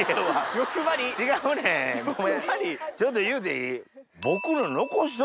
・欲張り・ちょっと言うていい？